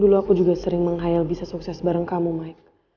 dulu aku juga sering menghayal bisa sukses bareng kamu mike